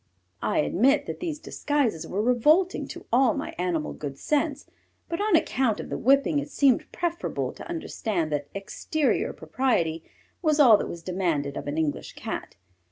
I admit that these disguises were revolting to all my animal good sense, but on account of the whipping, it seemed preferable to understand that exterior propriety was all that was demanded of an English Cat.